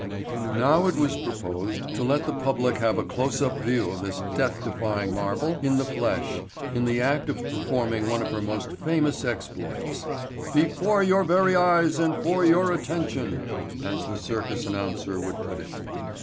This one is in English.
Now it was proposed to let the public have a close up view of this death defying marvel in the flesh in the act of performing one of her most famous exploits "before your very eyes and for your attention," as the circus announcer would put it.